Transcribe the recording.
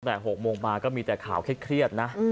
แต่๖โมงมาก็มีแต่ข่าวเครียดนะ